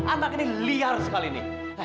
anak ini liar sekali nih